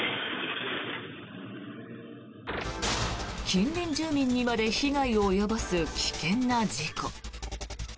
近隣住民にまで被害を及ぼす危険な事故。